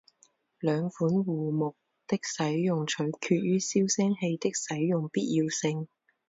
两款护木的使用取决于消声器的使用必要性。